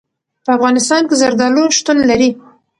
په افغانستان کې زردالو شتون لري.